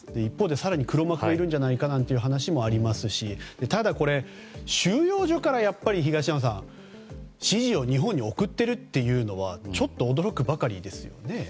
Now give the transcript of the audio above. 更に黒幕もいるんじゃないかという話もありますしただ、収容所から東山さん指示を日本に送っているというのはちょっと驚くばかりですよね。